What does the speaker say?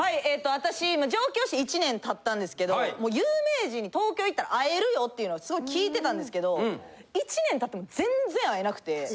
私上京して１年経ったんですけど有名人に東京行ったら会えるよっていうのをすごい聞いてたんですけど１年経っても全然会えなくて。